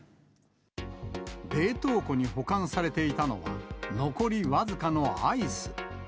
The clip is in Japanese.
冷凍庫に保管されていたのは、残り僅かのアイス。